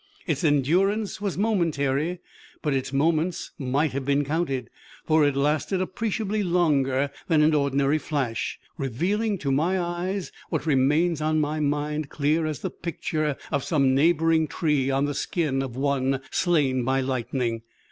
Its endurance was momentary, but its moments might have been counted, for it lasted appreciably longer than an ordinary flash, revealing to my eyes what remains on my mind clear as the picture of some neighbouring tree on the skin of one slain by lightning.